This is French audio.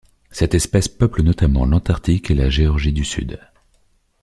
Cette espèce peuple notamment l'Antarctique et la Géorgie du Sud.